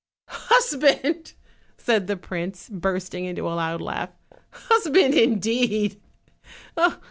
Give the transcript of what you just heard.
"Husband!" said the prince, bursting into a loud laugh "husband indeed!